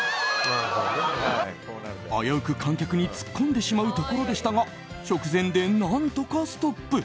危うく観客に突っ込んでしまうところでしたが直前で何とかストップ。